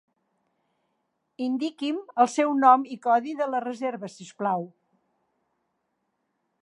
Indiqui'm el seu nom i codi de la reserva si us plau.